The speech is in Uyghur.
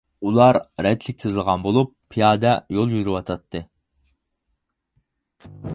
ئۇلار رەتلىك تىزىلغان بولۇپ پىيادە يول يۈرۈۋاتاتتى.